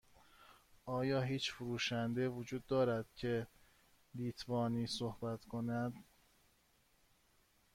آیا هیچ فروشنده وجود دارد که لیتوانی صحبت کند؟